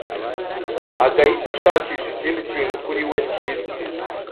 agahita ashakisha Ikindi kintu kuri we cyiza